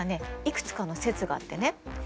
いくつかの説があってね。